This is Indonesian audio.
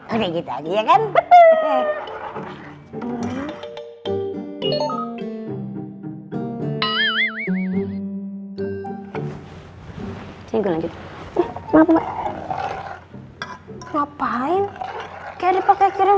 oke gitu lagi ya kan